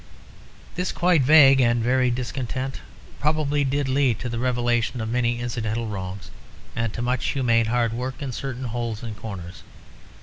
This quite vague and varied discontent probably did lead to the revelation of many incidental wrongs and to much humane hard work in certain holes and corners.